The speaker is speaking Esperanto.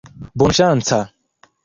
bonŝanca